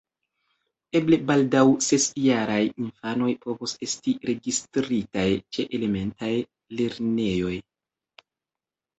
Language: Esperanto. Eble baldaŭ ses-jaraj infanoj povos esti registritaj ĉe elementaj lernejoj.